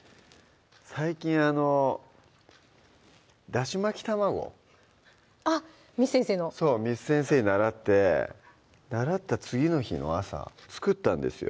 最近あの「だし巻き玉子」あっ簾先生のそう簾先生に習って習った次の日の朝作ったんですよ